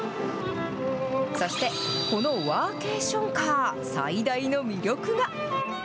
そして、このワーケーションカー最大の魅力が。